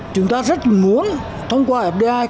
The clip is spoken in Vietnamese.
chúng ta rất muốn thông qua fdi